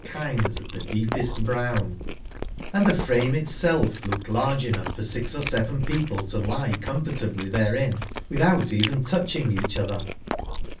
kinds of the deepest brown ; and the frame itself looked large enough for six or seven people to lie comfortably therein, without even touching each other.